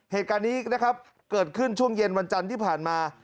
เหตุการณ์นี้นะครับเกิดขึ้นช่วงเย็นวันจันทร์ที่ผ่านมา